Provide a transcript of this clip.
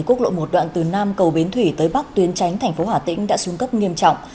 quốc lộ một đoạn từ nam cầu bến thủy tới bắc tuyến tránh thành phố hà tĩnh đã xuống cấp nghiêm trọng